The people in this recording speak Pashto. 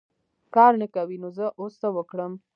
کار نه کوې ! نو زه اوس څه وکړم .